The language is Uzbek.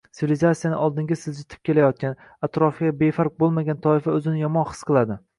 sivilizatsiyani oldinga siljitib kelayotgan, atrofga befarq bo‘lmagan toifa o‘zini yomon his qiladi.